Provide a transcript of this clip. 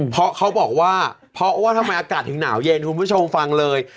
เพราะเขาบอกว่าเพราะว่าทำไมอากาศถึงหนาวเย็นคุณผู้ชมฟังเลย